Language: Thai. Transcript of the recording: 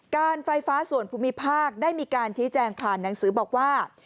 การไฟฟ้าส่วนภูมิภาคได้มีการชี้แจงผ่านหนังสือบอกว่า